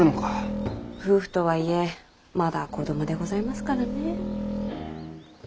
夫婦とはいえまだ子供でございますからねえ。